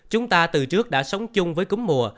chúng ta từ trước đã sống chung với cúm mùa